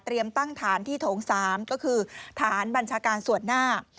ตั้งฐานที่โถง๓ก็คือฐานบัญชาการส่วนหน้า